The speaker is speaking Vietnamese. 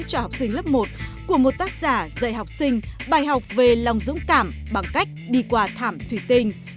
cho học sinh lớp một của một tác giả dạy học sinh bài học về lòng dũng cảm bằng cách đi qua thảm thủy tinh